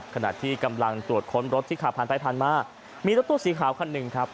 ขณะที่กำลังตรวจค้นรถที่ขับผ่านไปผ่านมามีรถตู้สีขาวคันหนึ่งครับ